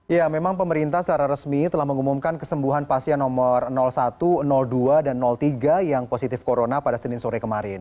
ya memang pemerintah secara resmi telah mengumumkan kesembuhan pasien nomor satu dua dan tiga yang positif corona pada senin sore kemarin